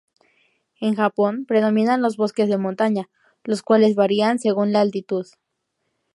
En Japón predominan los bosques de montaña, los cuales varían según la altitud.